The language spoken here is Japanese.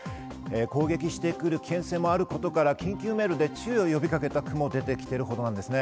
攻撃してくる危険性もあることから緊急メールで注意を呼びかけた区もできているほどなんですね。